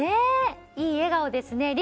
いい笑顔ですね。